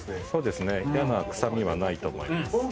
そうですね、嫌な臭みもないと思います。